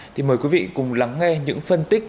thì mời quý vị cùng lắng nghe những phân tích